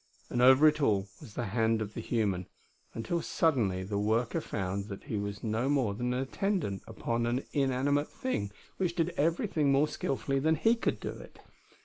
And over it all was the hand of the human, until suddenly the worker found that he was no more than an attendant upon an inanimate thing which did everything more skilfully than he could do it.